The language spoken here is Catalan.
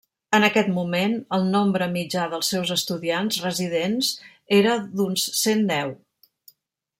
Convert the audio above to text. En aquest moment, el nombre mitjà dels seus estudiants residents era d'uns cent deu.